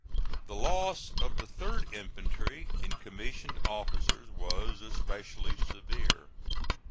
The loss of the 3d infantry in commissioned officers was especially severe.